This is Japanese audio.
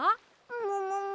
ももも？